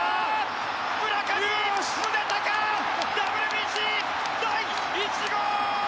村上宗隆、ＷＢＣ第１号！